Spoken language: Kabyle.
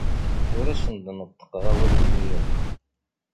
Ur asen-d-neṭṭqeɣ awalen-nni akk.